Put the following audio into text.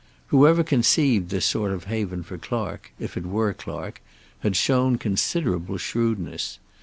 Whoever conceived this sort of haven for Clark, if it were Clark, had shown considerable shrewdness.